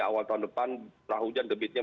awal tahun depan curah hujan debitnya